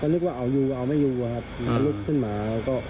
ก็นึกว่าเอายูเอาไม่ยูครับฮึ่มลุกขึ้นหมาก็